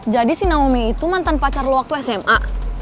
jadi sih naomi itu mantan pacar lo waktu sma